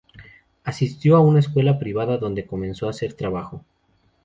Asistió a una escuela privada, donde comenzó a hacer trabajo.